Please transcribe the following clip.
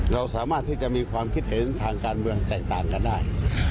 เราสามารถที่จะมีความคิดเห็นทางการเมืองแตกต่างกันได้